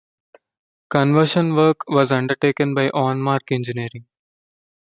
Conversion work was undertaken by On Mark Engineering.